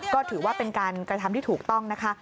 ก็ถือว่าเป็นการกระทำที่ถูกต้องนะคะ